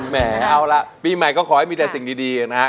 แหมเอาละปีใหม่ก็ขอให้มีแต่สิ่งดีนะฮะ